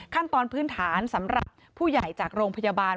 ขั้นตอนพื้นฐานสำหรับผู้ใหญ่จากโรงพยาบาล